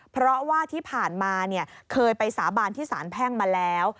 เพราะว่าที่ผ่านมาเคยไปสาบานที่สารแพ่งมาแล้ว